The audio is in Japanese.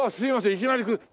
いきなり。